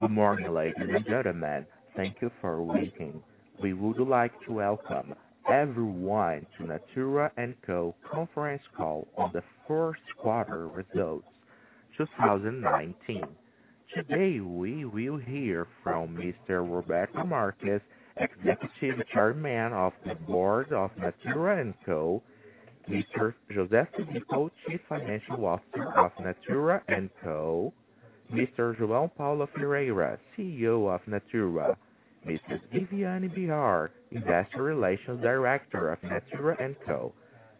Good morning, ladies and gentlemen. Thank you for waiting. We would like to welcome everyone to Natura &Co. conference call on the first quarter results 2019. Today, we will hear from Mr. Roberto Marques, Executive Chairman of the Board of Natura &Co., Mr. José Filippo, Chief Financial Officer of Natura &Co., Mr. João Paulo Ferreira, CEO of Natura, Mrs. Viviane Behar, Investor Relations Director of Natura &Co.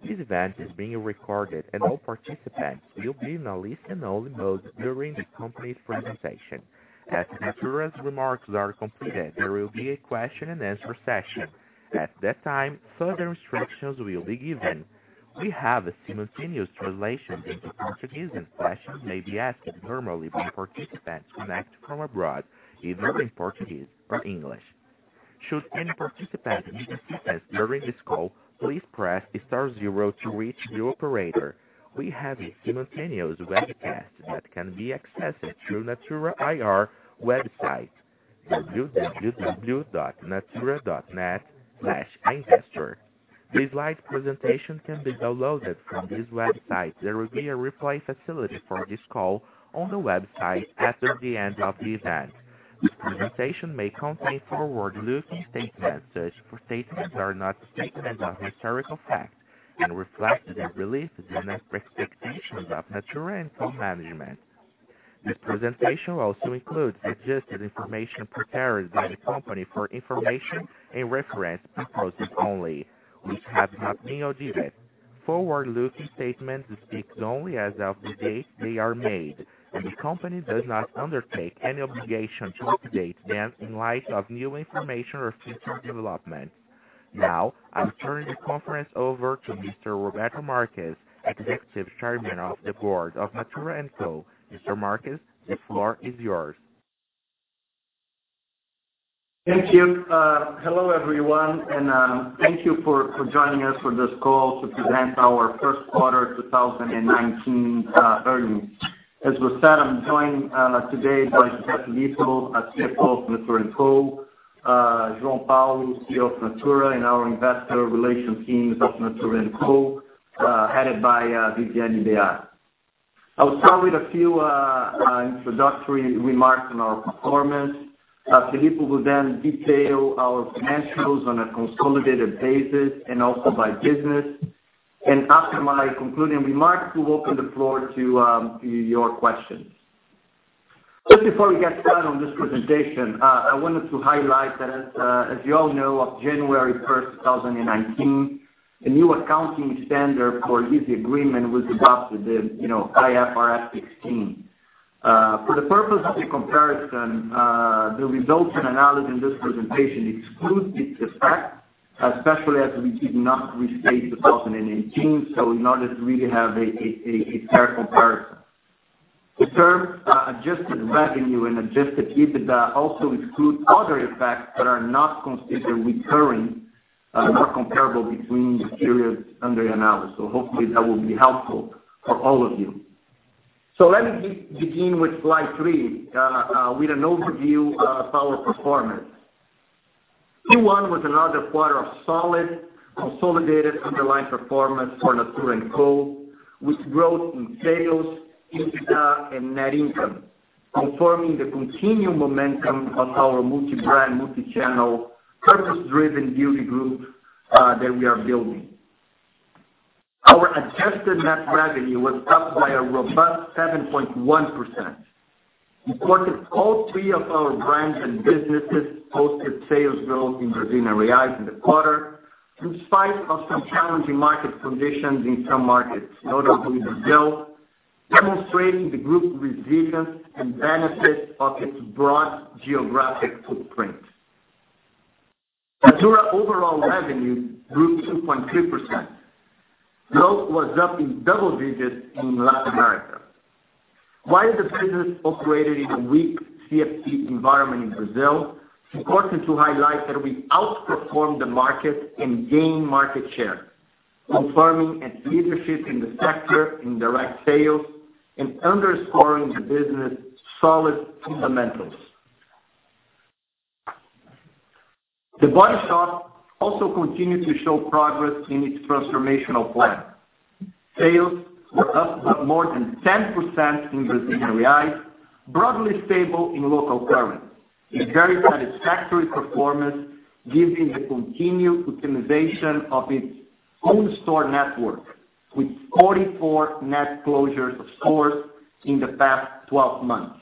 This event is being recorded and all participants will be in a listen-only mode during the company presentation. As Natura's remarks are completed, there will be a question and answer session. At that time, further instructions will be given. We have a simultaneous translation into Portuguese, and questions may be asked normally by participants connected from abroad, either in Portuguese or English. Should any participant need assistance during this call, please press star zero to reach the operator. We have a simultaneous webcast that can be accessed through Natura IR website, www.natura.net/investor. The slide presentation can be downloaded from this website. There will be a replay facility for this call on the website after the end of the event. This presentation may contain forward-looking statements. Such statements are not statements of historical fact and reflect the beliefs and expectations of Natura &Co. management. This presentation also includes adjusted information prepared by the company for information and reference purposes only, which have not been audited. The company does not undertake any obligation to update them in light of new information or future development. Now, I'll turn the conference over to Mr. Roberto Marques, Executive Chairman of the Board of Natura &Co. Mr. Marques, the floor is yours. Thank you. Hello, everyone, thank you for joining us for this call to present our first quarter 2019 earnings. As was said, I'm joined today by José Filippo, CFO of Natura &Co., João Paulo, CEO of Natura, and our investor relations teams of Natura &Co., headed by Viviane Behar. I will start with a few introductory remarks on our performance. Filippo will then detail our financials on a consolidated basis also by business. After my concluding remarks, we'll open the floor to your questions. Just before we get started on this presentation, I wanted to highlight that as you all know, of January 1st, 2019, a new accounting standard for lease agreement was adopted in IFRS 16. For the purpose of the comparison, the results and analysis in this presentation excludes its effect, especially as we did not restate 2018, so in order to really have a fair comparison. The term adjusted revenue and adjusted EBITDA also excludes other effects that are not considered recurring, nor comparable between the periods under the analysis. Hopefully, that will be helpful for all of you. Let me begin with slide three with an overview of our performance. Q1 was another quarter of solid, consolidated underlying performance for Natura &Co., with growth in sales, EBITDA, and net income, confirming the continued momentum of our multi-brand, multi-channel, purpose-driven beauty group that we are building. Our adjusted net revenue was up by a robust 7.1%. It's worth it, all three of our brands and businesses posted sales growth in Brazilian reais in the quarter, in spite of some challenging market conditions in some markets, notably Brazil, demonstrating the group's resilience and benefit of its broad geographic footprint. Natura overall revenue grew 2.2%. Growth was up in double digits in Latin America. While the business operated in a weak CFT environment in Brazil, it's important to highlight that we outperformed the market and gained market share, confirming its leadership in the sector in direct sales and underscoring the business' solid fundamentals. The Body Shop also continued to show progress in its transformational plan. Sales were up by more than 10% in Brazilian reais, broadly stable in local currency. A very satisfactory performance, given the continued optimization of its own store network, with 44 net closures of stores in the past 12 months.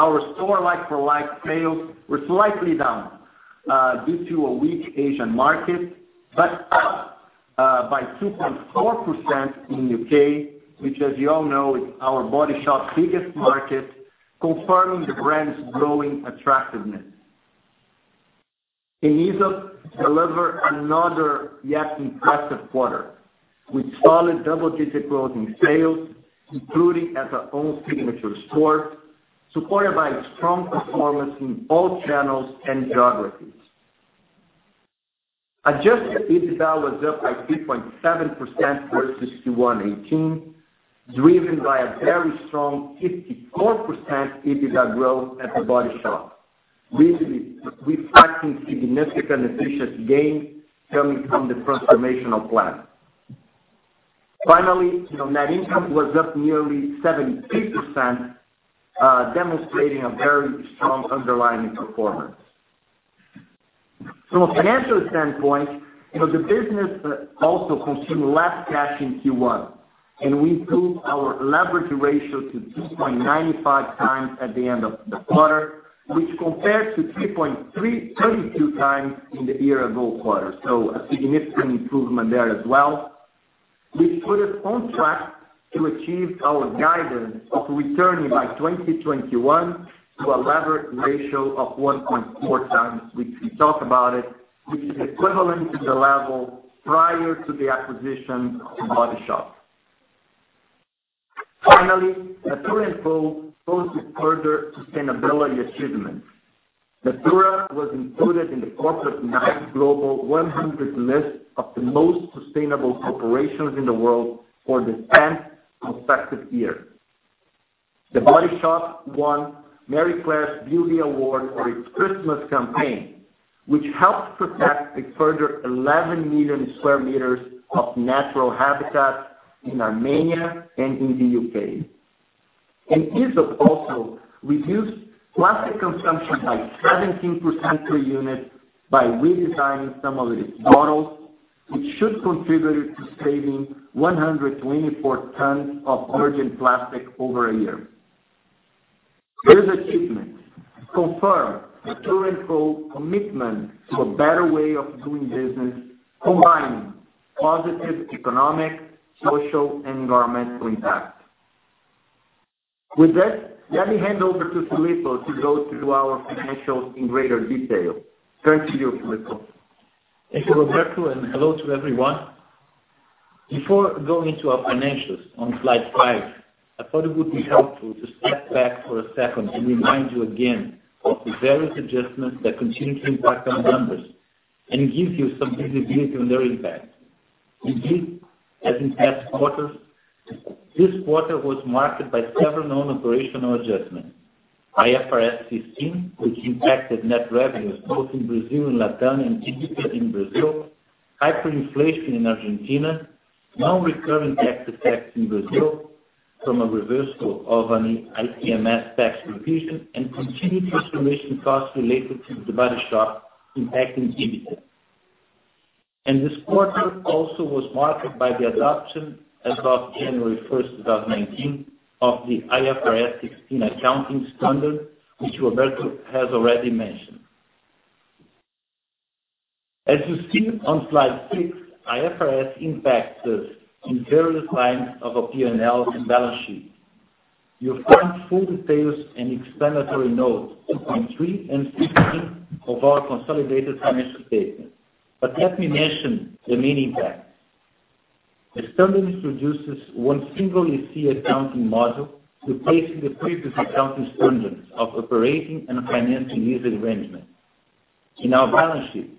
Our store like-for-like sales were slightly down due to a weak Asian market, but up by 2.4% in U.K., which, as you all know, is our Body Shop's biggest market, confirming the brand's growing attractiveness. Aesop delivered another yet impressive quarter, with solid double-digit growth in sales, including at our own signature store, supported by a strong performance in all channels and geographies. Adjusted EBITDA was up by 3.7% versus Q1 2018, driven by a very strong 54% EBITDA growth at The Body Shop. This is reflecting significant efficiency gains coming from the transformational plan. Finally, net income was up nearly 73%, demonstrating a very strong underlying performance. From a financial standpoint, the business also consumed less cash in Q1, and we improved our leverage ratio to 2.95 times at the end of the quarter, which compared to 3.32 times in the year-ago quarter. A significant improvement there as well, which put us on track to achieve our guidance of returning by 2021 to a leverage ratio of 1.4 times, which we talk about it, which is equivalent to the level prior to the acquisition of The Body Shop. Finally, Natura &Co. posted further sustainability achievements. Natura was included in the Corporate Knights Global 100 list of the most sustainable corporations in the world for the 10th consecutive year. The Body Shop won Marie Claire's Beauty Award for its Christmas campaign, which helped protect a further 11 million sq m of natural habitat in Armenia and in the U.K. Aesop also reduced plastic consumption by 17% per unit by redesigning some of its bottles, which should contribute to saving 124 tons of virgin plastic over a year. These achievements confirm Natura &Co.'s commitment to a better way of doing business, combining positive economic, social, and environmental impact. With that, let me hand over to Filippo to go through our financials in greater detail. Over to you, Filippo. Thank you, Roberto, and hello to everyone. Before going to our financials on slide five, I thought it would be helpful to step back for a second and remind you again of the various adjustments that continue to impact our numbers and give you some visibility on their impact. Indeed, as in past quarters, this quarter was marked by several non-operational adjustments. IFRS 16, which impacted net revenues both in Brazil and Latin and EBITDA in Brazil, hyperinflation in Argentina, non-recurring tax effects in Brazil from a reversal of an ICMS tax revision, and continued transformation costs related to The Body Shop impacting EBITDA. This quarter also was marked by the adoption as of January 1, 2019, of the IFRS 16 accounting standard, which Roberto has already mentioned. As you see on Slide six, IFRS impacts the entire design of our P&L and balance sheet. You'll find full details in explanatory notes 2.3 and 16 of our consolidated financial statements. Let me mention the main impact. The standard introduces one single lease accounting model, replacing the previous accounting standards of operating and financing lease arrangements. In our balance sheet,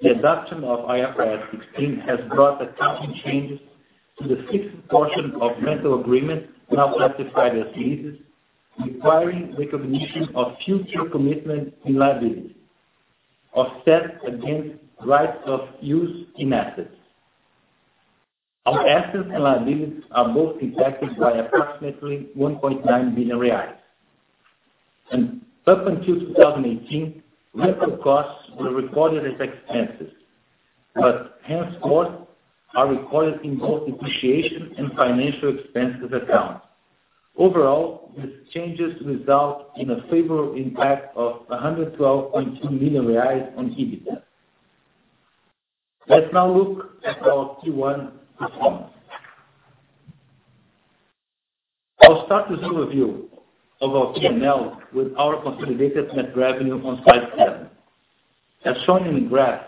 the adoption of IFRS 16 has brought accounting changes to the fixed portion of rental agreements now classified as leases, requiring recognition of future commitments and liabilities offset against rights of use in assets. Our assets and liabilities are both impacted by approximately 1.9 billion reais. Up until 2018, rental costs were recorded as expenses, but henceforth are recorded in both depreciation and financial expenses accounts. Overall, these changes result in a favorable impact of 112.2 million reais on EBITDA. Let's now look at our Q1 performance. I'll start this overview of our P&L with our consolidated net revenue on Slide seven. As shown in the graph,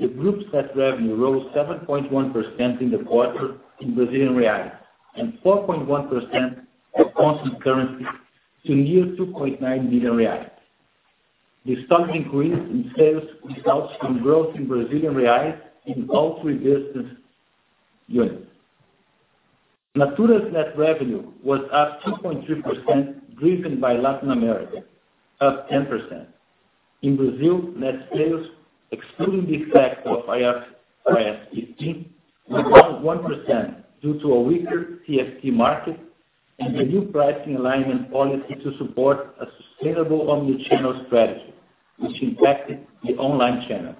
the group's net revenue rose 7.1% in the quarter in BRL and 4.1% at constant currency to near 2.9 billion reais. The stock increase in sales results from growth in BRL in all three business units. Natura's net revenue was up 2.3%, driven by Latin America, up 10%. In Brazil, net sales, excluding the effect of IFRS 16, were down 1% due to a weaker CFT market and the new pricing alignment policy to support a sustainable omni-channel strategy, which impacted the online channel.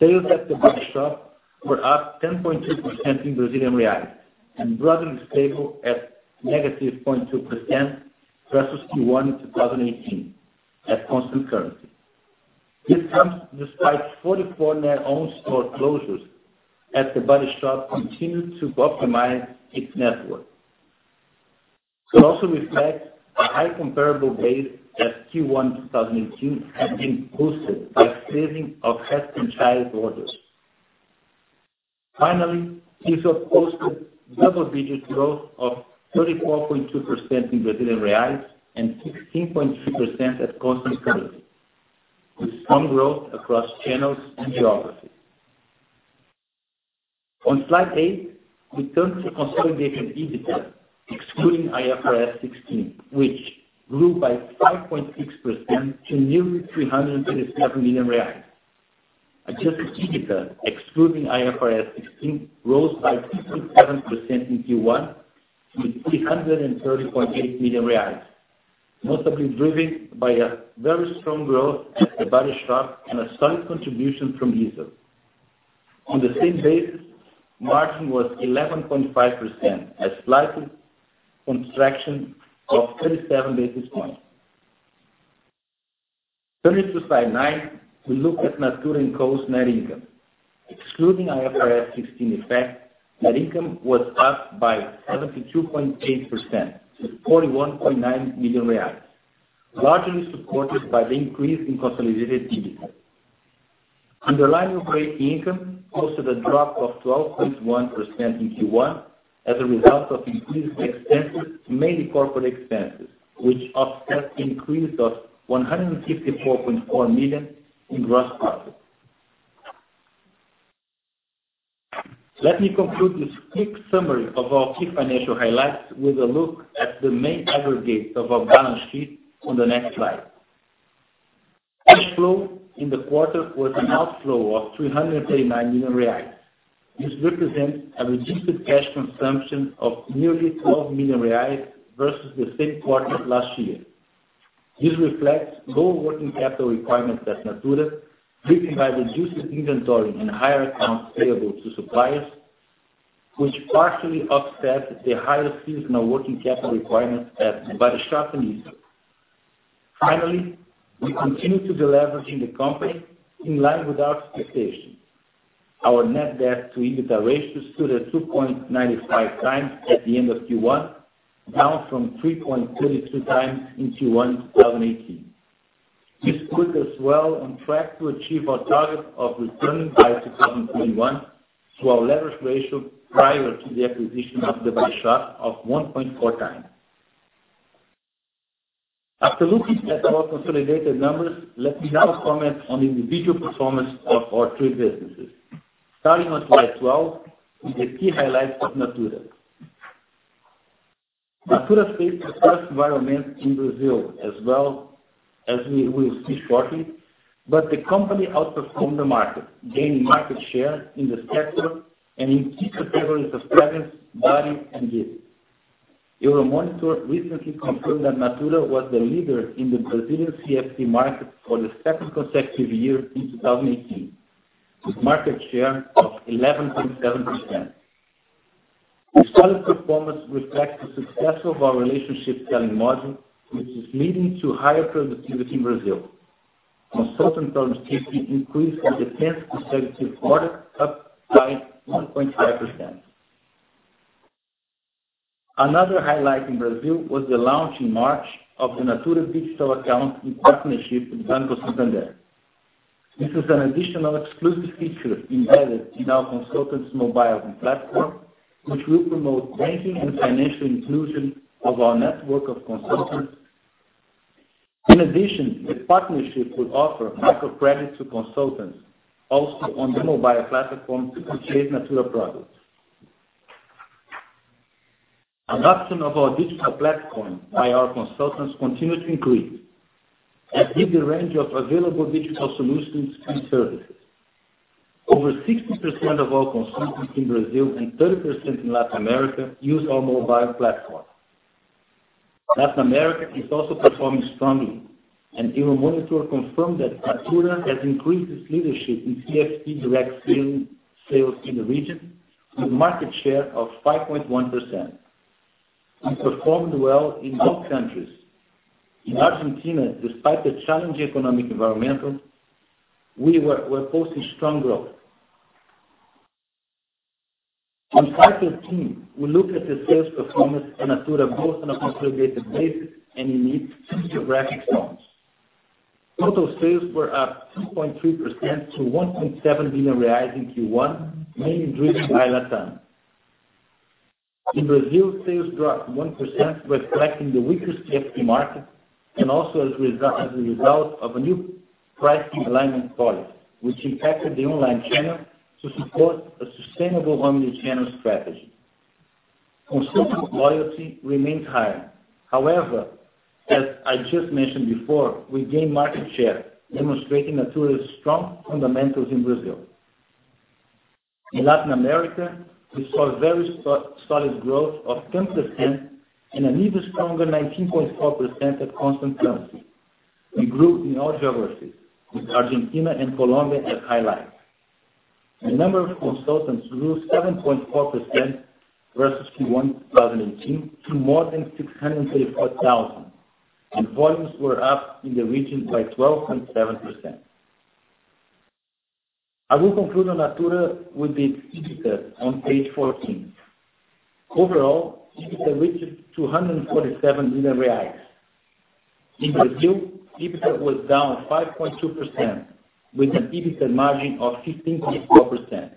Sales at The Body Shop were up 10.2% in BRL and broadly stable at -0.2% versus Q1 2018 at constant currency. This comes despite 44 net own store closures as The Body Shop continued to optimize its network. It also reflects a high comparable base as Q1 2018 had been boosted by saving of half and child orders. Finally, Aesop posted double-digit growth of 34.2% in BRL and 16.3% at constant currency, with strong growth across channels and geographies. On slide eight, we turn to consolidated EBITDA excluding IFRS 16, which grew by 5.6% to nearly 337 million reais. Adjusted EBITDA excluding IFRS 16 rose by 57% in Q1 to 330.8 million reais, notably driven by a very strong growth at The Body Shop and a solid contribution from Aesop. On the same basis, margin was 11.5%, a slight contraction of 37 basis points. Turning to slide nine, we look at Natura &Co's net income. Excluding IFRS 16 effect, net income was up by 72.8% to 41.9 million reais, largely supported by the increase in consolidated EBITDA. Underlying operating income posted a drop of 12.1% in Q1 as a result of increased expenses, mainly corporate expenses, which offset the increase of 154.4 million in gross profit. Let me conclude this quick summary of our key financial highlights with a look at the main aggregates of our balance sheet on the next slide. Cash flow in the quarter was an outflow of 339 million reais. This represents a reduced cash consumption of nearly 12 million reais versus the same quarter last year. This reflects lower working capital requirements at Natura, driven by reduced inventory and higher accounts payable to suppliers, which partially offset the higher seasonal working capital requirements at The Body Shop and Aesop. We continue to deleveraging the company in line with our expectations. Our net debt to EBITDA ratio stood at 2.95 times at the end of Q1, down from 3.32 times in Q1 2018. This put us well on track to achieve our target of returning by 2021 to our leverage ratio prior to the acquisition of The Body Shop of 1.4 times. After looking at our consolidated numbers, let me now comment on individual performance of our three businesses. Starting on slide 12 with the key highlights of Natura. Natura faced a tough environment in Brazil as well, as we will see shortly, but the company outperformed the market, gaining market share in the sector and in key categories of fragrance, body, and gift. Euromonitor recently confirmed that Natura was the leader in the Brazilian CFT market for the second consecutive year in 2018, with market share of 11.7%. The solid performance reflects the success of our relationship selling model, which is leading to higher productivity in Brazil. Consultant productivity increased for the 10th consecutive quarter, up by 1.5%. Another highlight in Brazil was the launch in March of the Natura digital account in partnership with Banco Santander. This is an additional exclusive feature embedded in our consultants' mobile platform, which will promote banking and financial inclusion of our network of consultants. In addition, the partnership will offer microcredit to consultants also on the mobile platform to purchase Natura products. Adoption of our digital platform by our consultants continue to increase and give the range of available digital solutions and services. Over 60% of our consultants in Brazil and 30% in Latin America use our mobile platform. Latin America is also performing strongly, and Euromonitor confirmed that Natura has increased its leadership in CFT direct sales in the region with a market share of 5.1%. We performed well in both countries. In Argentina, despite the challenging economic environment, we're posting strong growth. On slide 13, we look at the sales performance at Natura both on a consolidated basis and in geographic zones. Total sales were up 2.3% to 1.7 billion reais in Q1, mainly driven by LatAm. In Brazil, sales dropped 1%, reflecting the weaker CFT market and also as a result of a new pricing alignment policy, which impacted the online channel to support a sustainable omni-channel strategy. Consultant loyalty remains high. As I just mentioned before, we gained market share demonstrating Natura's strong fundamentals in Brazil. In Latin America, we saw very solid growth of 10% and an even stronger 19.4% at constant currency. We grew in all geographies with Argentina and Colombia as highlights. The number of consultants grew 7.4% versus Q1 2018 to more than 634,000, and volumes were up in the region by 12.7%. I will conclude on Natura with its EBITDA on page 14. Overall, EBITDA reached 247 million. In Brazil, EBITDA was down 5.2%, with an EBITDA margin of 15.4%.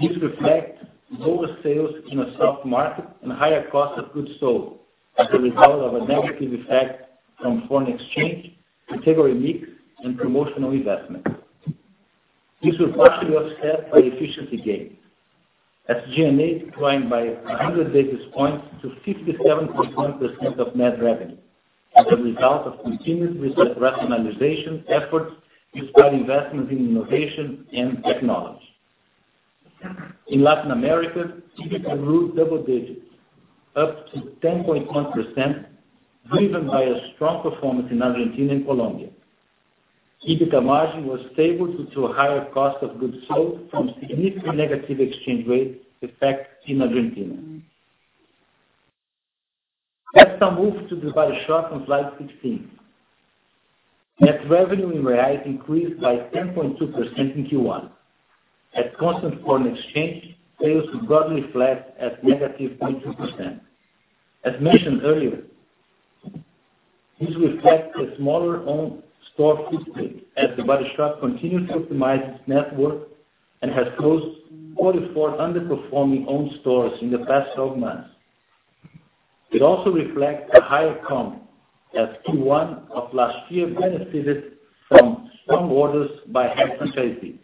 This reflects lower sales in a soft market and higher cost of goods sold as a result of a negative effect from foreign exchange, category mix, and promotional investment. This was partially offset by efficiency gains. SG&A declined by 100 basis points to 57.1% of net revenue as a result of continued business rationalization efforts, despite investments in innovation and technology. In Latin America, EBITDA grew double digits, up to 10.1%, driven by a strong performance in Argentina and Colombia. EBITDA margin was stable due to a higher cost of goods sold from significant negative exchange rate effect in Argentina. Let's now move to The Body Shop on slide 16. Net revenue in BRL increased by 10.2% in Q1. At constant foreign exchange, sales were broadly flat at negative 0.2%. As mentioned earlier, this reflects a smaller owned store footprint as The Body Shop continues to optimize its network and has closed 44 underperforming owned stores in the past 12 months. It also reflects a higher comp, as Q1 of last year benefited from strong orders by health and safety.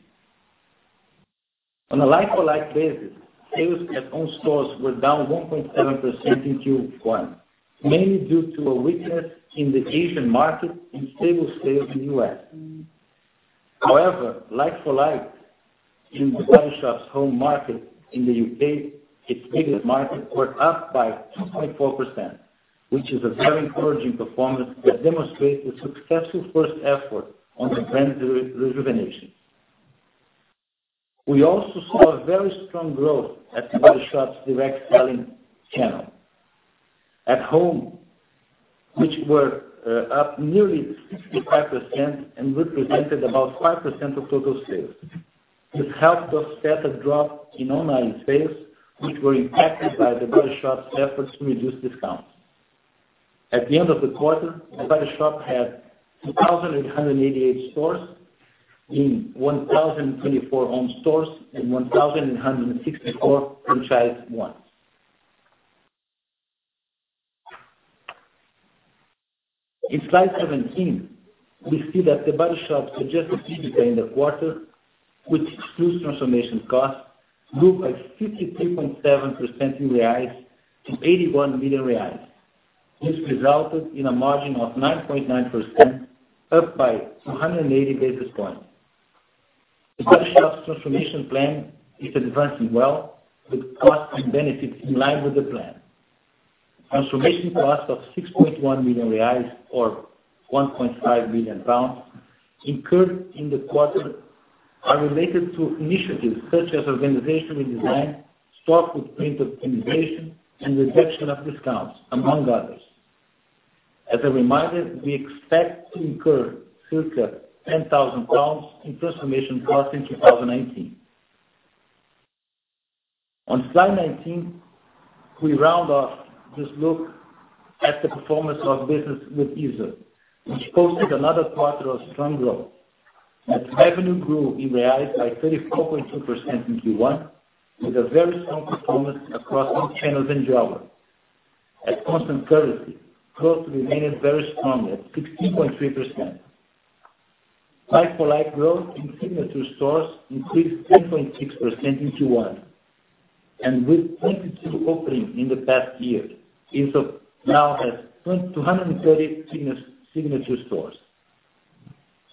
On a like-for-like basis, sales at owned stores were down 1.7% in Q1, mainly due to a weakness in the Asian market and stable sales in the U.S. Like-for-like in The Body Shop's home market in the U.K., its biggest market, were up by 2.4%, which is a very encouraging performance that demonstrates a successful first effort on the brand rejuvenation. We also saw a very strong growth at The Body Shop's direct selling channel, The Body Shop At Home, which were up nearly 65% and represented about 5% of total sales. This helped offset a drop in online sales, which were impacted by The Body Shop's efforts to reduce discounts. At the end of the quarter, The Body Shop had 2,888 stores in 1,024 owned stores and 1,864 franchise ones. Slide 17, we see that The Body Shop's adjusted EBITDA in the quarter, which excludes transformation costs, grew by 53.7% in BRL to 81 million reais. This resulted in a margin of 9.9%, up by 280 basis points. The Body Shop's transformation plan is advancing well, with costs and benefits in line with the plan. Transformation costs of 6.1 million reais, or 1.5 million pounds, incurred in the quarter are related to initiatives such as organizational design, stop with printed communication, and reduction of discounts, among others. As a reminder, we expect to incur circa 10,000 pounds in transformation costs in 2019. Slide 19, we round off this look at the performance of business with Aesop, which posted another quarter of strong growth. Net revenue grew in BRL by 34.2% in Q1, with a very strong performance across all channels and geography. At constant currency, growth remained very strong at 16.3%. Like-for-like growth in signature stores increased 10.6% in Q1. With 22 openings in the past year, Aesop now has 230 signature stores.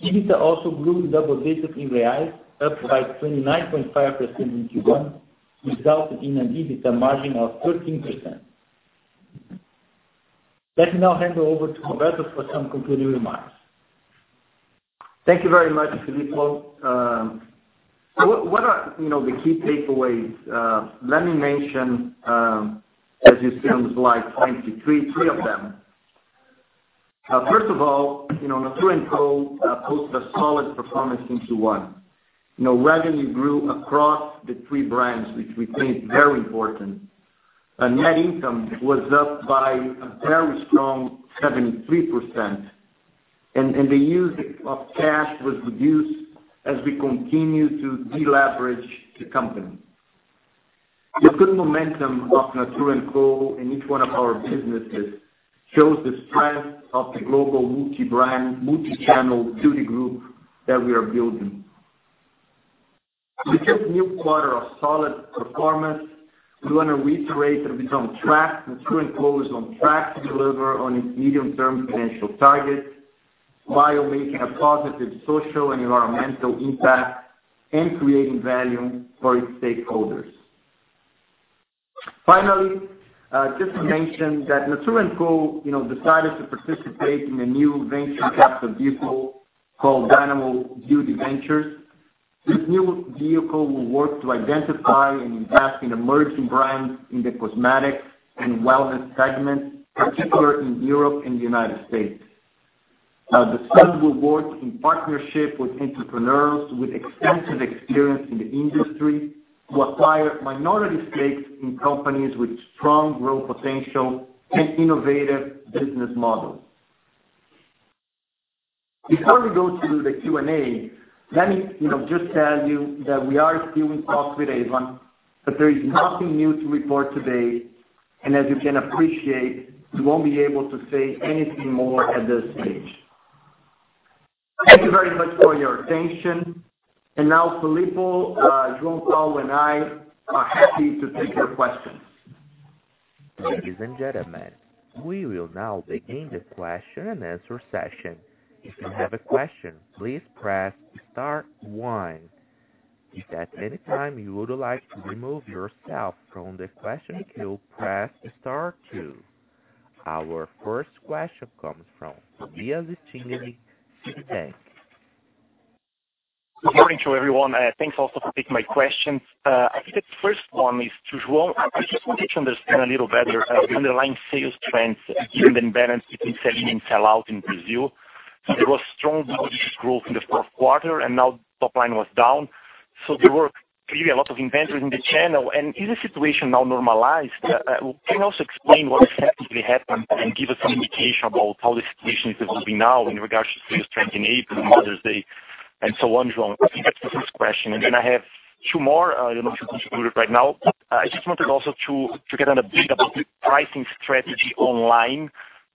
EBITDA also grew double digits in BRL, up by 29.5% in Q1, resulting in an EBITDA margin of 13%. Let me now hand over to Roberto for some concluding remarks. Thank you very much, Filippo. What are the key takeaways? Let me mention, as you see on the slide 23, three of them. First of all, Natura &Co posted a solid performance in Q1. Revenue grew across the three brands, which we think is very important. Net income was up by a very strong 73%, the use of cash was reduced as we continue to deleverage the company. The good momentum of Natura &Co in each one of our businesses shows the strength of the global multi-brand, multi-channel beauty group that we are building. With this new quarter of solid performance, we want to reiterate that we are on track, Natura &Co is on track to deliver on its medium-term financial targets while making a positive social and environmental impact and creating value for its stakeholders. Finally, just to mention that Natura &Co decided to participate in a new venture capital vehicle called Dynamo Beauty Ventures. This new vehicle will work to identify and invest in emerging brands in the cosmetics and wellness segments, particularly in Europe and the U.S. The fund will work in partnership with entrepreneurs with extensive experience in the industry to acquire minority stakes in companies with strong growth potential and innovative business models. Before we go to the Q&A, let me just tell you that we are still in talks with Avon, there is nothing new to report today, as you can appreciate, we won't be able to say anything more at this stage. Thank you very much for your attention. Now, Filippo, João Paulo, and I are happy to take your questions. Ladies and gentlemen, we will now begin the question and answer session. If you have a question, please press star one. If at any time you would like to remove yourself from the question queue, press star two. Our first question comes from Tobias Lucchini, Citigroup. Good morning to everyone. Thanks also for taking my questions. I think the first one is to João. I just wanted to understand a little better underlying sales trends given the imbalance between sell-in and sell-out in Brazil. There was strong double-digit growth in the fourth quarter, and now top line was down. There were clearly a lot of inventories in the channel. Is the situation now normalized? Can you also explain what effectively happened and give us some indication about how the situation is evolving now in regards to sales trend in April and Mother's Day, and so on, João? I think that's the first question. Then I have two more. I don't know if you can include it right now. I just wanted also to get an update about the pricing strategy online.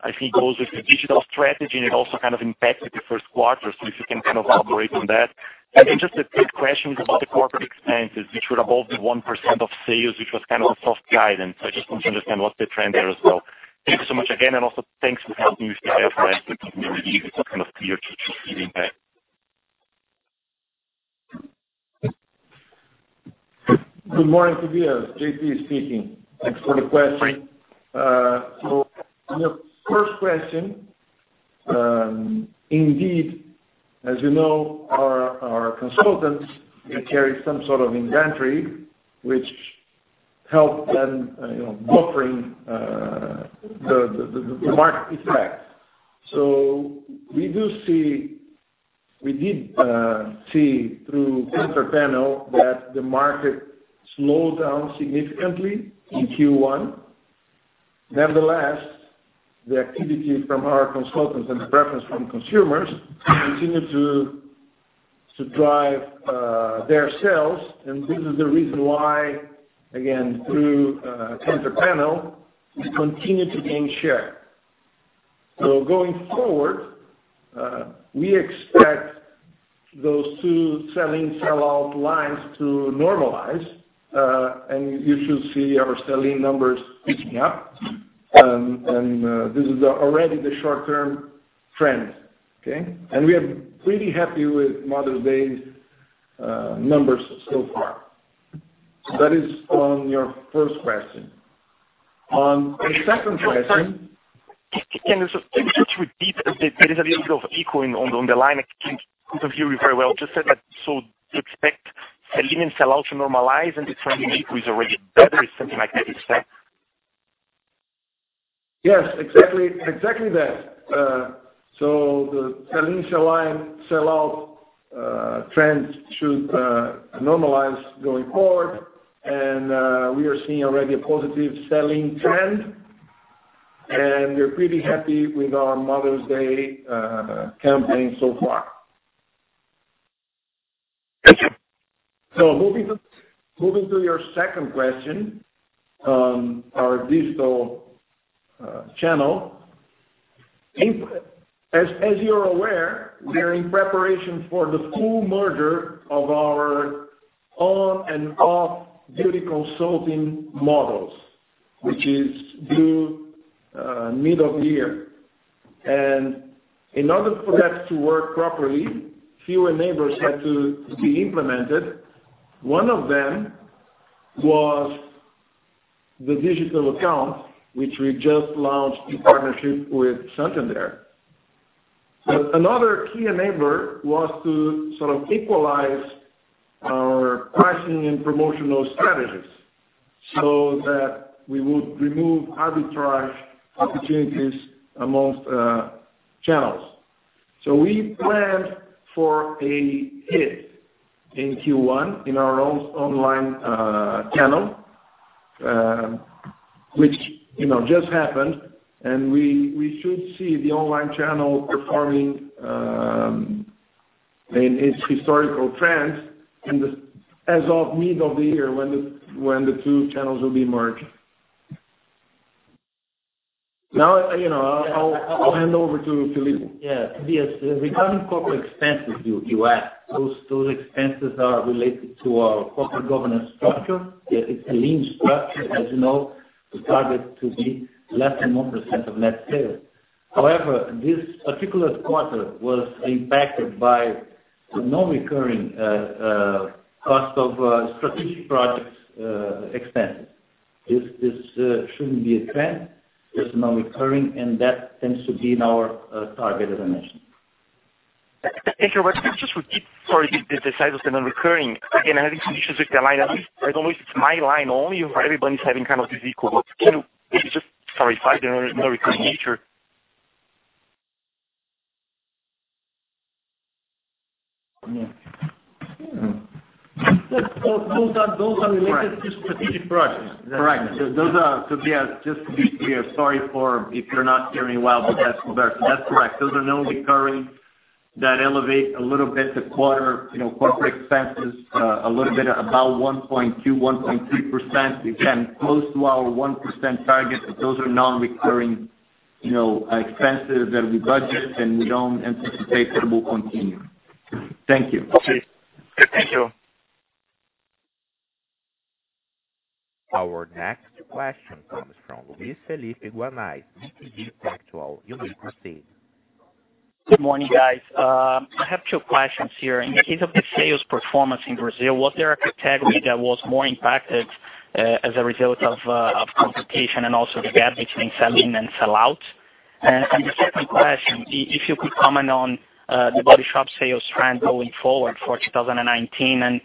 I think it goes with the digital strategy, and it also impacted the first quarter. If you can elaborate on that. Then just a quick question about the corporate expenses, which were above the 1% of sales, which was a soft guidance. I just want to understand what's the trend there as well. Thank you so much again, and also thanks for helping with the IFRS, which gives me a relief. It's clear to see the impact. Good morning, Tobias. JP speaking. Thanks for the question. On your first question, indeed, as you know, our consultants carry some sort of inventory, which helps them buffering the market effect. We did see through SensorPanel that the market slowed down significantly in Q1. Nevertheless, the activity from our consultants and the preference from consumers continued to drive their sales. This is the reason why, again, through SensorPanel, we continue to gain share. Going forward, we expect those two sell-in/sell-out lines to normalize, and you should see our sell-in numbers picking up. This is already the short-term trend. Okay? We are pretty happy with Mother's Day numbers so far. That is on your first question. On the second question- Sorry. Can you just repeat a bit? There is a little bit of echo on the line. I couldn't hear you very well. Just that you said that, you expect sell-in and sell-out to normalize and the trend in April is already better, is something like that, is that? Yes, exactly that. The sell-in/sell-out trends should normalize going forward, and we are seeing already a positive selling trend, and we are pretty happy with our Mother's Day campaign so far. Thank you. Moving to your second question, our digital channel. As you're aware, we are in preparation for the full merger of our on and off beauty consulting models, which is due middle of the year. In order for that to work properly, few enablers had to be implemented. One of them was the Digital Account, which we just launched in partnership with Santander. Another key enabler was to sort of equalize our pricing and promotional strategies so that we would remove arbitrage opportunities amongst channels. We planned for a hit in Q1 in our own online channel, which just happened, and we should see the online channel performing in its historical trends as of middle of the year when the two channels will be merged. Now, I'll hand over to Filippo. Yes. Tobias, regarding corporate expenses you asked, those expenses are related to our corporate governance structure. It's a lean structure, as you know, the target to be less than 1% of net sales. However, this particular quarter was impacted by the non-recurring cost of strategic projects expenses. This shouldn't be a trend. This is non-recurring, and that tends to be in our target, as I mentioned. Thank you. Could you just repeat, sorry, the size of the non-recurring? Again, I'm having some issues with the line. I don't know if it's my line only or everybody's having kind of this echo, but can you just, sorry, size the non-recurring nature? Those are related to strategic projects. Correct. Yes, just to be clear, sorry if you're not hearing well, but that's Roberto. That's correct. Those are non-recurring that elevate a little bit the quarter corporate expenses, a little bit above 1.2%-1.3%, again, close to our 1% target, but those are non-recurring expenses that we budget and we don't anticipate that will continue. Thank you. Okay. Thank you. Our next question comes from Luiz Felipe Guanais, BTG Pactual. You may proceed. Good morning, guys. I have two questions here. In the case of the sales performance in Brazil, was there a category that was more impacted, as a result of competition and also the gap between sell-in and sellout? The second question, if you could comment on The Body Shop sales trend going forward for 2019, and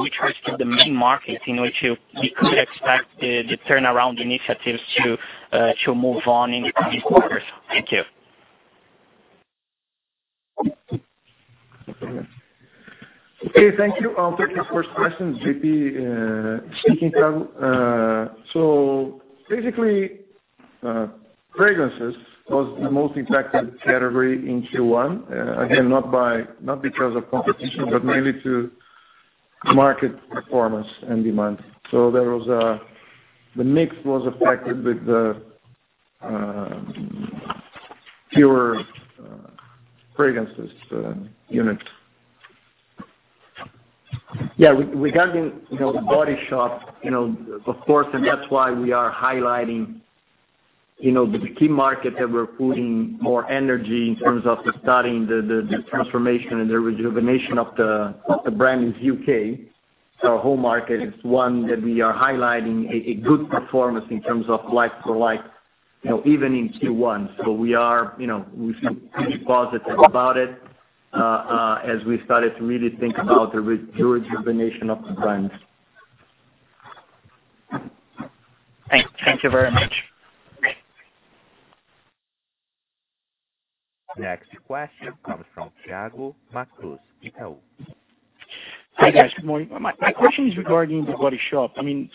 which are the main markets in which you could expect the turnaround initiatives to move on in these quarters? Thank you. Okay, thank you. I'll take the first question. JP speaking. Basically, fragrances was the most impacted category in Q1. Again, not because of competition, but mainly to market performance and demand. The mix was affected with the fewer fragrances units. Yeah. Regarding The Body Shop, of course, that's why we are highlighting the key market that we're putting more energy in terms of the starting the transformation and the rejuvenation of the brand is U.K. It's our home market. It's one that we are highlighting a good performance in terms of like for like, even in Q1. We feel pretty positive about it, as we started to really think about the rejuvenation of the brand. Thank you very much. Next question comes from Thiago Macruz, Itaú BBA. Hi, guys. Good morning. My question is regarding The Body Shop.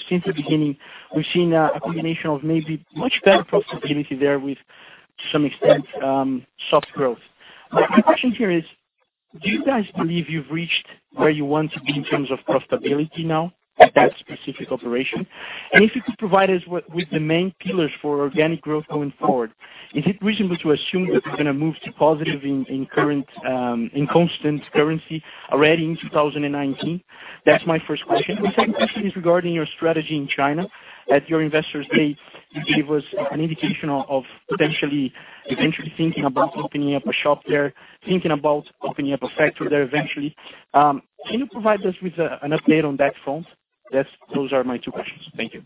Since the beginning, we've seen a combination of maybe much better profitability there with, to some extent, soft growth. My question here is, do you guys believe you've reached where you want to be in terms of profitability now at that specific operation? If you could provide us with the main pillars for organic growth going forward. Is it reasonable to assume that you're going to move to positive in constant currency already in 2019? That's my first question. My second question is regarding your strategy in China. At your investor's date, you gave us an indication of potentially eventually thinking about opening up a shop there, thinking about opening up a factory there eventually. Can you provide us with an update on that front? Those are my two questions. Thank you.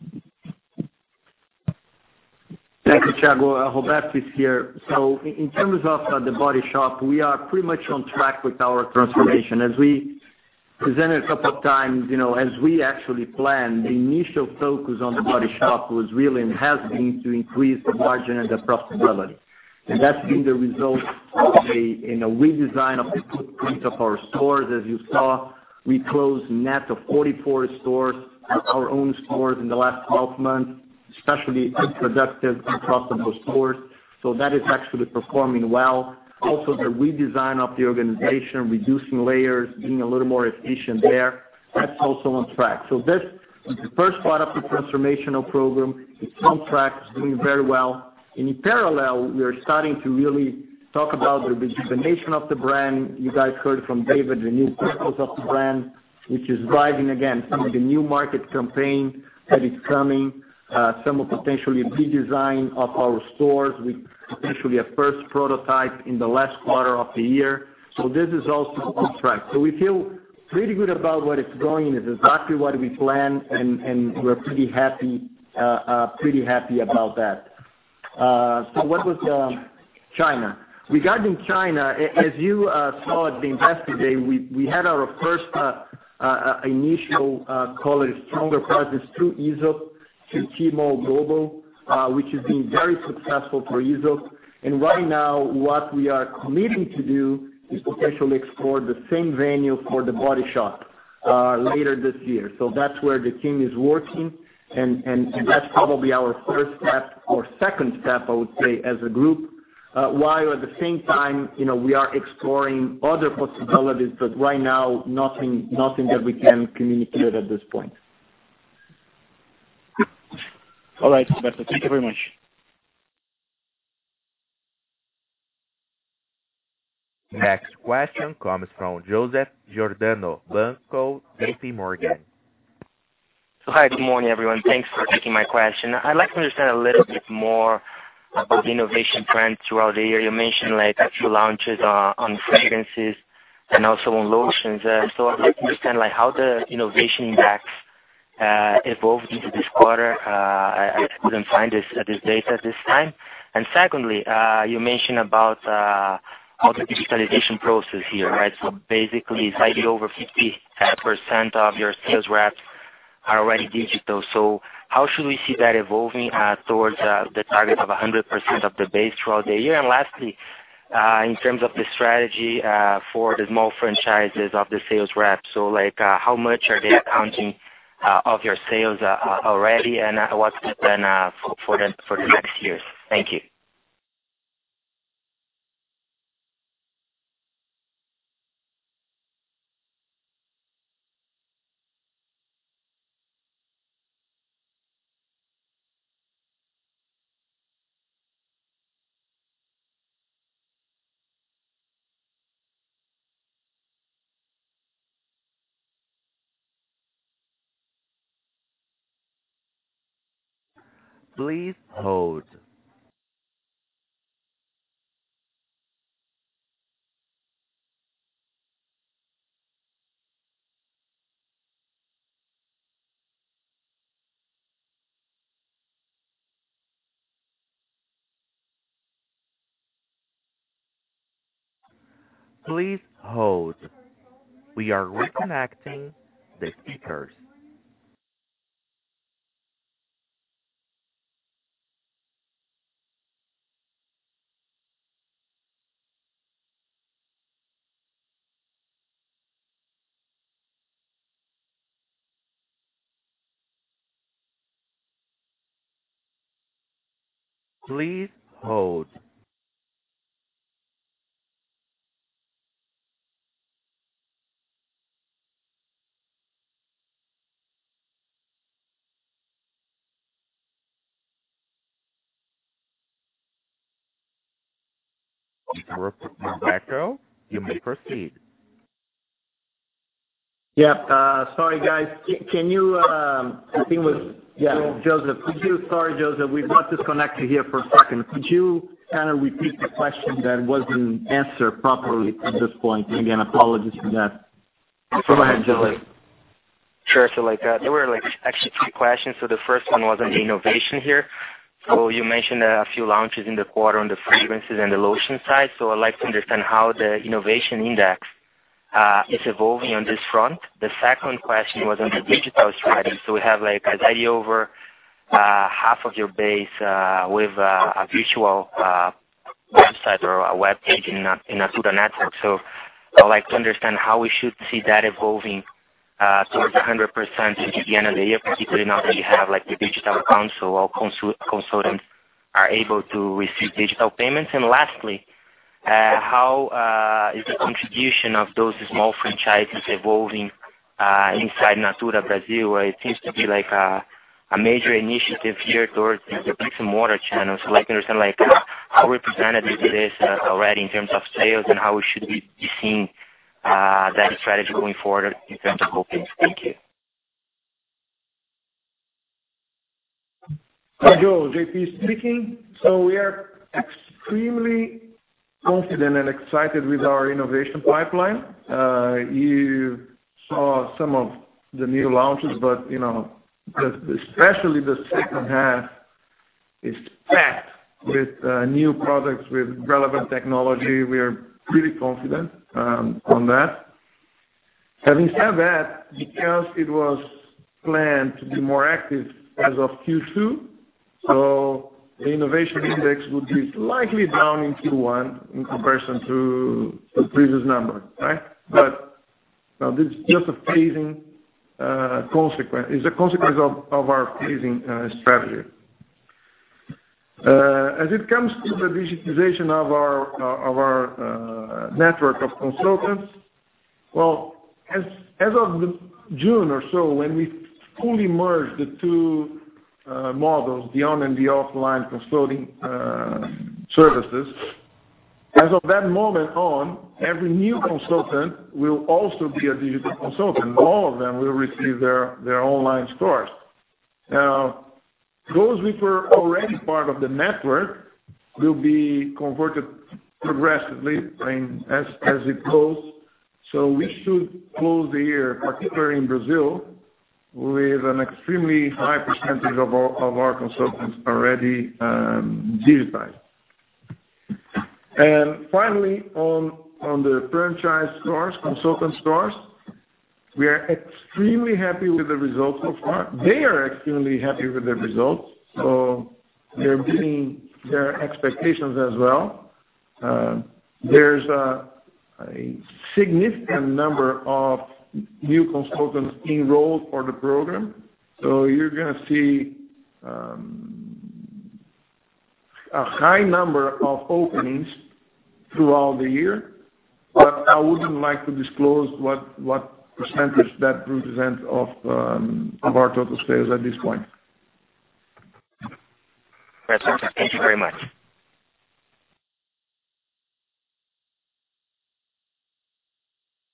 Thank you, Thiago. Roberto Marques is here. In terms of The Body Shop, we are pretty much on track with our transformation. As we presented a couple of times, as we actually planned, the initial focus on The Body Shop was really, and has been, to increase the margin and the profitability. That's been the result of a redesign of the footprint of our stores. As you saw, we closed net of 44 stores, our own stores in the last 12 months, especially unproductive and profitable stores. That is actually performing well. Also, the redesign of the organization, reducing layers, being a little more efficient there, that's also on track. This is the first part of the transformational program. It's on track. It's doing very well. In parallel, we are starting to really talk about the rejuvenation of the brand. You guys heard from David, the new purpose of the brand, which is driving, again, some of the new market campaign that is coming, some of potentially redesign of our stores with potentially a first prototype in the last quarter of the year. This is also on track. We feel pretty good about where it's going. It's exactly what we planned, and we're pretty happy about that. What was China? Regarding China, as you saw at the investor day, we had our first initial call it a stronger presence through Aesop, through Tmall Global, which has been very successful for Aesop. Right now, what we are committing to do is potentially explore the same venue for The Body Shop later this year. That's where the team is working, and that's probably our first step or second step, I would say, as a group. While at the same time, we are exploring other possibilities, right now, nothing that we can communicate at this point. All right, Roberto. Thank you very much. Next question comes from Joseph Giordano, Banco JPMorgan. Hi, good morning, everyone. Thanks for taking my question. I'd like to understand a little bit more about the innovation trend throughout the year. You mentioned a few launches on fragrances and also on lotions. I'd like to understand how the innovation impacts Evolved into this quarter. I couldn't find this data at this time. Secondly, you mentioned about the digitalization process here, right? Basically, slightly over 50% of your sales reps are already digital. How should we see that evolving towards the target of 100% of the base throughout the year? Lastly, in terms of the strategy for the small franchises of the sales reps, how much are they accounting of your sales already and what's the plan for them for the next years? Thank you. Please hold. Please hold. We are reconnecting the speakers. Please hold. We're back now. You may proceed. Yeah. Sorry, guys. I think it was, yeah, Joseph. Sorry, Joseph. We got disconnected here for a second. Could you kind of repeat the question that wasn't answered properly at this point? Again, apologies for that. Go ahead, Joseph. Sure. There were actually three questions. The first one was on innovation here. You mentioned a few launches in the quarter on the fragrances and the lotion side. I'd like to understand how the innovation index is evolving on this front. The second question was on the digital strategy. We have slightly over half of your base with a virtual website or a webpage in a student network. I'd like to understand how we should see that evolving towards 100% at the end of the year, particularly now that you have the Natura digital account, all consultants are able to receive digital payments. Lastly, how is the contribution of those small franchises evolving inside Natura Brasil, where it seems to be a major initiative here towards the bricks and mortar channels. I'd like to understand how representative it is already in terms of sales and how we should be seeing that strategy going forward in terms of openings. Thank you. Hi, Joe. JP speaking. We are extremely confident and excited with our innovation pipeline. You saw some of the new launches, especially the second half is packed with new products, with relevant technology. We are pretty confident on that. Having said that, because it was planned to be more active as of Q2, the innovation index would be slightly down in Q1 in comparison to the previous number, right? This is a consequence of our phasing strategy. As it comes to the digitization of our network of consultants, well, as of June or so, when we fully merge the two models, the on and the offline consulting services, as of that moment on, every new consultant will also be a digital consultant. All of them will receive their online stores. Now, those which were already part of the network will be converted progressively as it goes. We should close the year, particularly in Brazil, with an extremely high percentage of our consultants already digitized. Finally, on the franchise stores, consultant stores, we are extremely happy with the results so far. They are extremely happy with the results, they're beating their expectations as well. There's a significant number of new consultants enrolled for the program. You're going to see a high number of openings throughout the year, but I wouldn't like to disclose what percentage that represents of our total sales at this point. Thank you very much.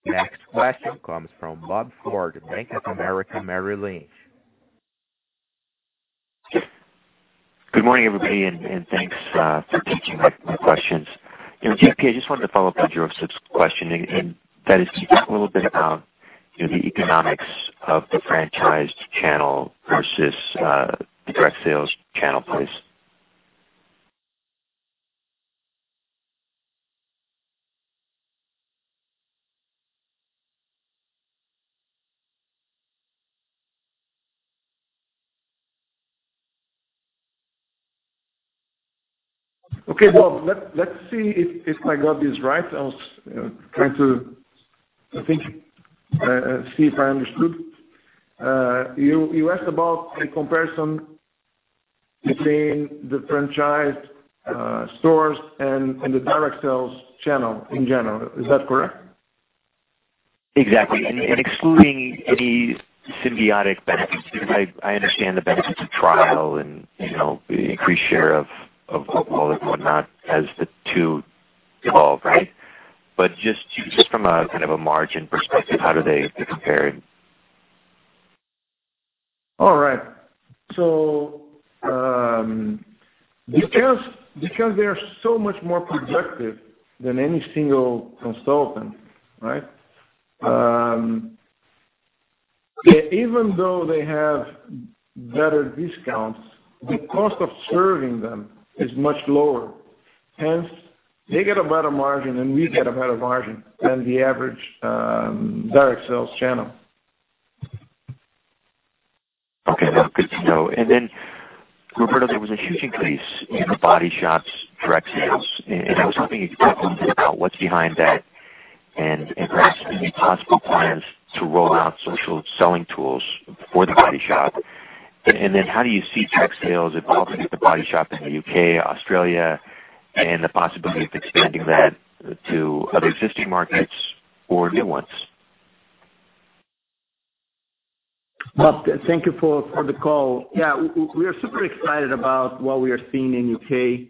Next question comes from Robert Ford, Bank of America Merrill Lynch. Good morning, everybody, thanks for taking my questions. JP, I just wanted to follow up on Joseph's question, and that is can you talk a little bit about the economics of the franchised channel versus the direct sales channel, please? Okay, Bob. Let's see if I got this right. I was trying to think, see if I understood. You asked about a comparison between the franchised stores and the direct sales channel in general. Is that correct? Exactly. Excluding any symbiotic benefits. I understand the benefits of trial and the increased share of wallet and whatnot as the two evolve. Right? Just from a kind of a margin perspective, how do they compare? All right. Because they are so much more productive than any single consultant, even though they have better discounts, the cost of serving them is much lower. Hence, they get a better margin, and we get a better margin than the average direct sales channel. Okay. No, good to know. Roberto, there was a huge increase in The Body Shop's direct sales, and I was hoping you could talk a little bit about what's behind that and perhaps any possible plans to roll out social selling tools for The Body Shop. How do you see direct sales evolving at The Body Shop in the U.K., Australia, and the possibility of expanding that to other existing markets or new ones? Bob, thank you for the call. We are super excited about what we are seeing in the U.K.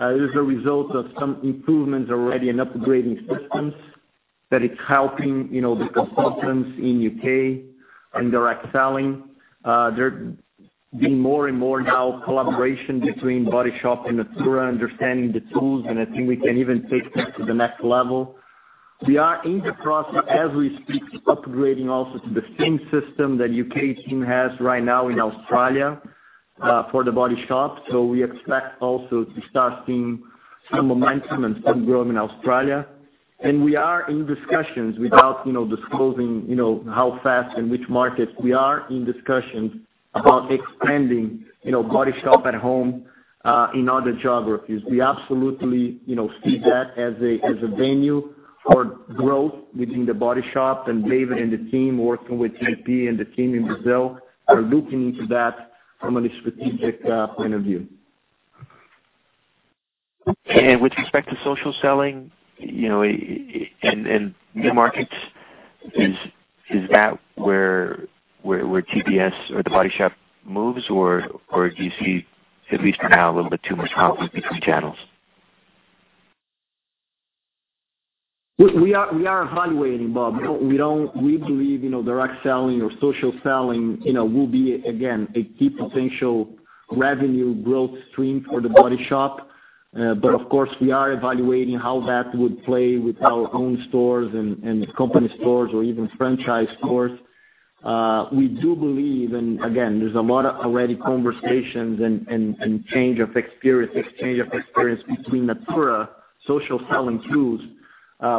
It is a result of some improvements already in upgrading systems, that it's helping the consultants in the U.K. and direct selling. There being more and more now collaboration between Body Shop and Natura, understanding the tools, and I think we can even take that to the next level. We are in the process, as we speak, upgrading also to the same system that U.K. team has right now in Australia for The Body Shop. We expect also to start seeing some momentum and some growth in Australia. We are in discussions without disclosing how fast in which markets. We are in discussions about expanding Body Shop At Home in other geographies. We absolutely see that as a venue for growth within The Body Shop and David and the team working with JP and the team in Brazil are looking into that from a strategic point of view. With respect to social selling, and new markets, is that where TBS or The Body Shop moves? Or do you see at least for now, a little bit too much conflict between channels? We are evaluating, Bob. We believe direct selling or social selling will be again, a key potential revenue growth stream for The Body Shop. Of course, we are evaluating how that would play with our own stores and company stores or even franchise stores. We do believe, and again, there's a lot of already conversations and exchange of experience between Natura social selling tools,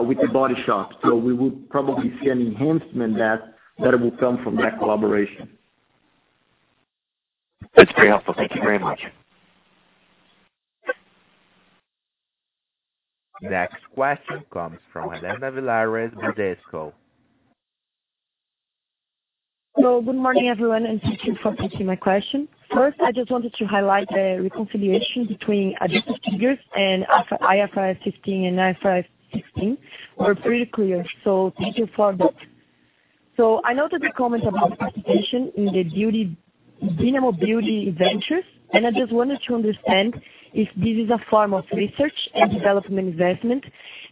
with The Body Shop. We would probably see an enhancement that will come from that collaboration. That's very helpful. Thank you very much. Next question comes from Helena Villares, Bradesco. Hello. Good morning, everyone, and thank you for taking my question. First, I just wanted to highlight the reconciliation between adjusted figures and IFRS 15 and IFRS 16 were pretty clear, so thank you for that. I noted the comment about participation in the Dynamo Beauty Ventures, and I just wanted to understand if this is a form of research and development investment,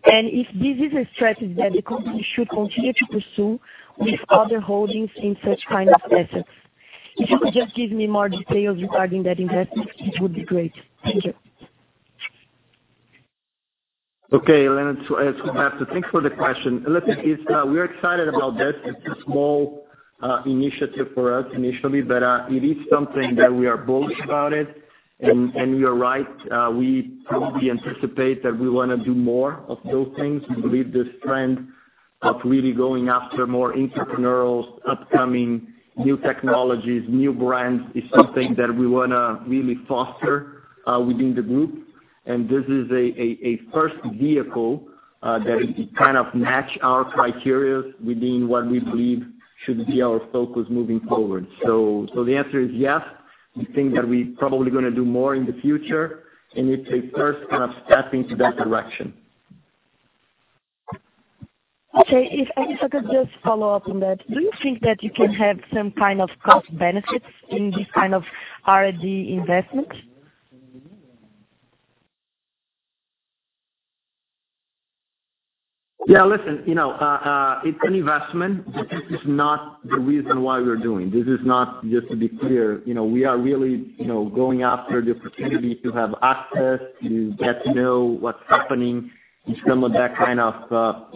and if this is a strategy that the company should continue to pursue with other holdings in such kind of assets. If you could just give me more details regarding that investment, it would be great. Thank you. Okay, Helena. Thanks for the question. Listen, we're excited about this. It's a small initiative for us initially, but it is something that we are bullish about it. You're right, we probably anticipate that we want to do more of those things. We believe this trend of really going after more entrepreneurial, upcoming new technologies, new brands, is something that we want to really foster within the group. This is a first vehicle that kind of match our criteria within what we believe should be our focus moving forward. The answer is yes, we think that we probably going to do more in the future, and it's a first kind of step into that direction. Okay. If I could just follow up on that. Do you think that you can have some kind of cost benefits in this kind of R&D investment? Yeah, listen, it's an investment. This is not the reason why we're doing. This is not just to be clear. We are really going after the opportunity to have access, to get to know what's happening in some of that kind of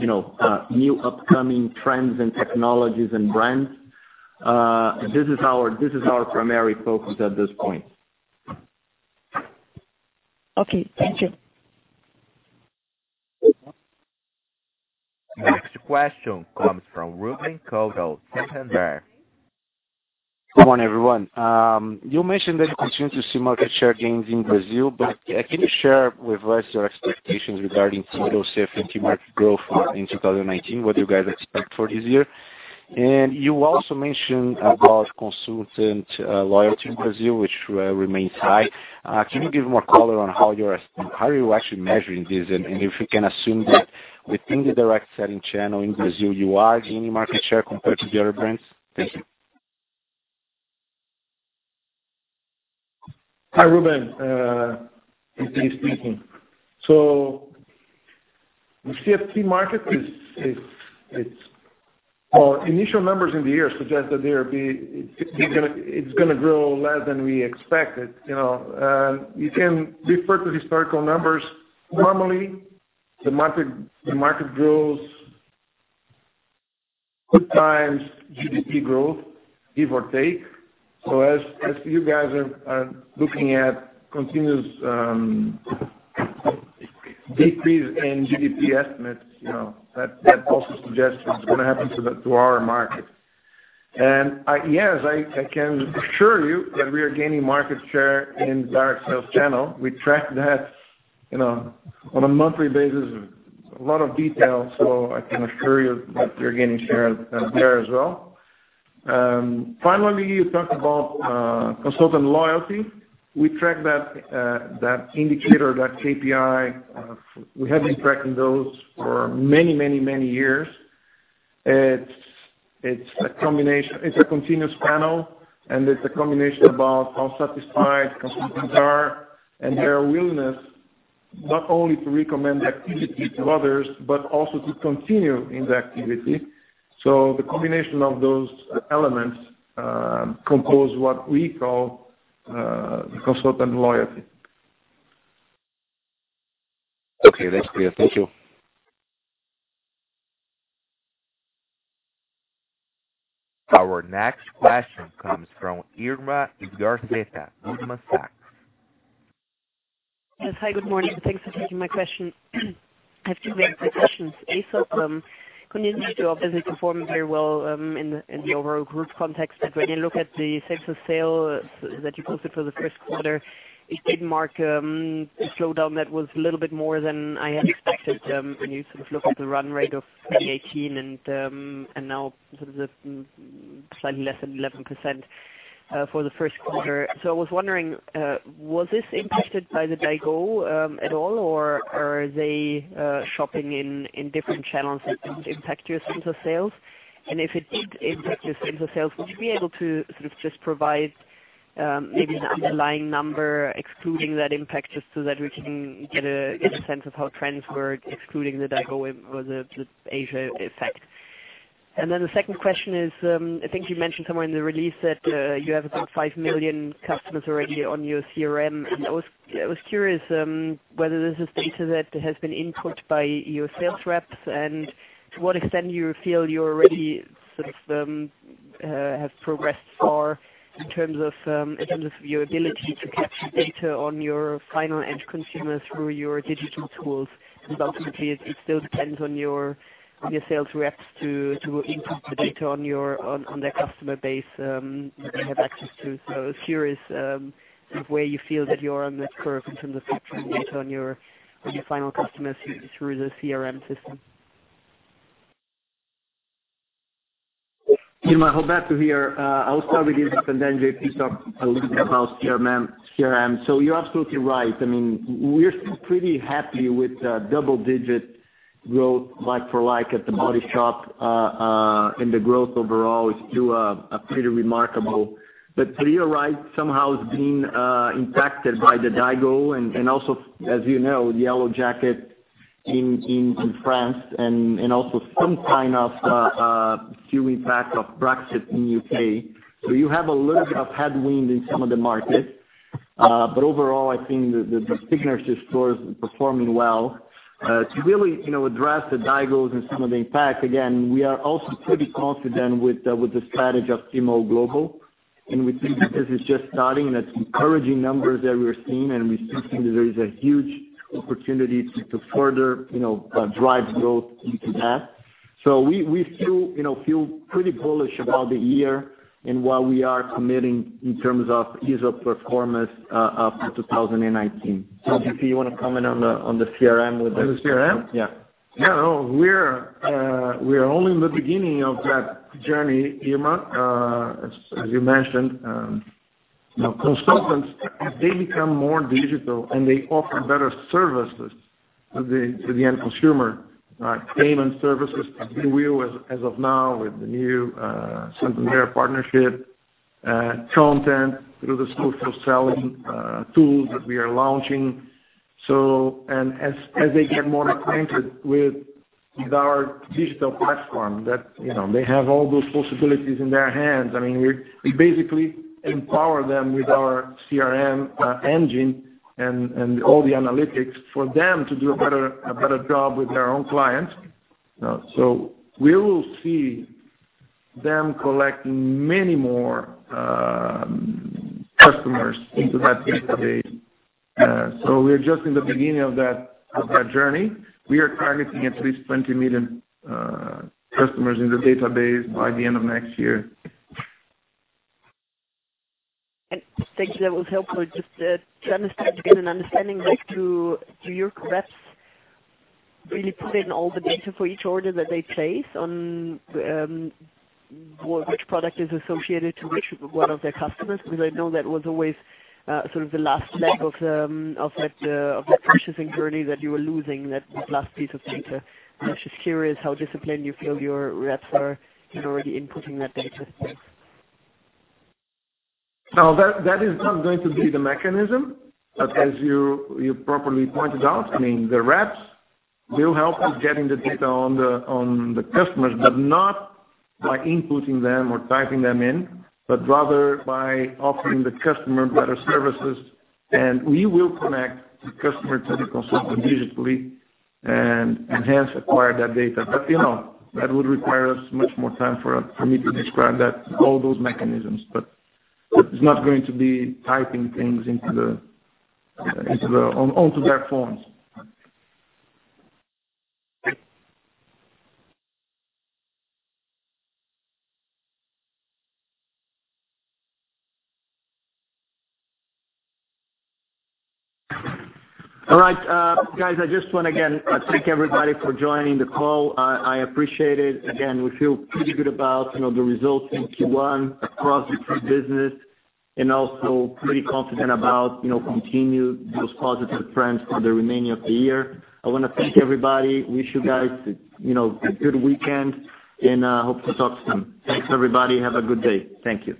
new upcoming trends and technologies and brands. This is our primary focus at this point. Okay, thank you. Next question comes from Ruben Couto, Santander. Good morning, everyone. Can you share with us your expectations regarding the overall CFT market growth in 2019, what do you guys expect for this year? You also mentioned about consultant loyalty in Brazil, which remains high. Can you give more color on how you're actually measuring this, and if we can assume that within the direct selling channel in Brazil, you are gaining market share compared to the other brands? Thank you. Hi, Ruben. JP speaking. The CFT market, initial numbers in the year suggest that it's going to grow less than we expected. You can refer to historical numbers. Normally, the market grows good times, GDP growth, give or take. As you guys are looking at continuous decrease in GDP estimates, that also suggests what's going to happen to our market. Yes, I can assure you that we are gaining market share in direct sales channel. We track that on a monthly basis, a lot of detail, so I can assure you that we're gaining share there as well. Finally, you talked about consultant loyalty. We track that indicator, that KPI. We have been tracking those for many years. It's a continuous panel, and it's a combination of how satisfied consultants are and their willingness, not only to recommend the activity to others, but also to continue in the activity. The combination of those elements compose what we call consultant loyalty. Okay, that's clear. Thank you. Our next question comes from Irma Sgarz, Goldman Sachs. Yes. Hi, good morning. Thanks for taking my question. I have two main questions. Aesop continues to obviously perform very well in the overall group context. When you look at the sales that you posted for the first quarter, it did mark a slowdown that was a little bit more than I had expected. When you sort of look at the run rate of 2018 and now sort of slightly less than 11% for the first quarter. I was wondering, was this impacted by the Daigou at all, or are they shopping in different channels that didn't impact your sense of sales? If it did impact your sense of sales, would you be able to sort of just provide maybe an underlying number excluding that impact, just so that we can get a sense of how trends were excluding the Daigou or the Asia effect. The second question is, I think you mentioned somewhere in the release that you have about 5 million customers already on your CRM, and I was curious whether this is data that has been input by your sales reps, and to what extent do you feel you already sort of have progressed far in terms of your ability to capture data on your final end consumer through your digital tools? Because ultimately, it still depends on your sales reps to input the data on their customer base that they have access to. I was curious where you feel that you are on that curve in terms of capturing data on your final customers through the CRM system. Irma, Roberto here. I will start with this. J.P. talk a little bit about CRM. You're absolutely right. We're still pretty happy with double-digit growth like for like at The Body Shop, and the growth overall is still pretty remarkable. You're right, somehow it's been impacted by the Daigou and also, as you know, Yellow Vests in France and also some kind of few impact of Brexit in U.K. You have a little bit of headwind in some of the markets. Overall, I think the signature stores are performing well. To really address the Daigou and some of the impact, again, we are also pretty confident with the strategy of Tmall Global, and we think that this is just starting and it's encouraging numbers that we're seeing, and we still think that there is a huge opportunity to further drive growth into that. We still feel pretty bullish about the year and what we are committing in terms of Aesop performance for 2019. J.P., you want to comment on the CRM with the- On the CRM? Yeah. No, we're only in the beginning of that journey, Irma, as you mentioned. Consultants, as they become more digital and they offer better services to the end consumer, payment services as of now with the new Sintonia partnership Content through the store for selling tools that we are launching. As they get more acquainted with our digital platform, they have all those possibilities in their hands. We basically empower them with our CRM engine and all the analytics for them to do a better job with their own clients. We will see them collecting many more customers into that database. We are just in the beginning of that journey. We are targeting at least 20 million customers in the database by the end of next year. Thank you. That was helpful. Just to understand, to get an understanding, do your reps really put in all the data for each order that they place on which product is associated to which one of their customers? Because I know that was always sort of the last leg of that purchasing journey that you were losing, that last piece of data. I'm just curious how disciplined you feel your reps are in already inputting that data. No, that is not going to be the mechanism. As you properly pointed out, the reps will help us getting the data on the customers, not by inputting them or typing them in, but rather by offering the customer better services. We will connect the customer to the consultant digitally and hence acquire that data. That would require us much more time for me to describe all those mechanisms. It's not going to be typing things onto their phones. All right. Guys, I just want to again thank everybody for joining the call. I appreciate it. Again, we feel pretty good about the results in Q1 across the three business and also pretty confident about continue those positive trends for the remaining of the year. I want to thank everybody, wish you guys a good weekend, and hope to talk soon. Thanks, everybody. Have a good day. Thank you.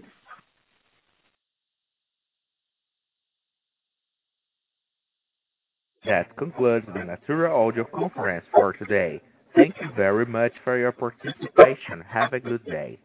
That concludes the Natura audio conference for today. Thank you very much for your participation. Have a good day.